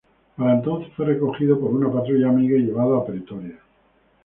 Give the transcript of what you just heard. Para entonces fue recogido por una patrulla amiga y llevado a Pretoria.